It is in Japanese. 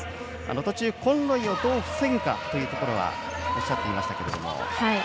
途中、コンロイをどう防ぐかというところをおっしゃっていましたが。